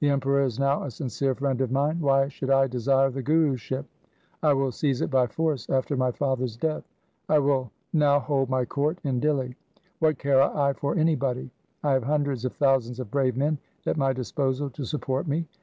The Emperor is now a sincere friend of mine. Why should I desire the Guruship ? I will seize it by force after my father's death. I will now hold my court in Dihli. What care I for anybody ? I have hundreds of thousands of brave men at my disposal to support me.'